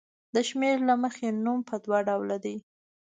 د شمېر له مخې نوم په دوه ډوله دی.